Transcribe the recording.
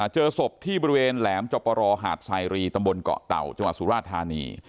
เจอศพที่บริเวณแหลมจบรหาดไซรีตำบลเกาะเต่าจังหวัดสุราธานี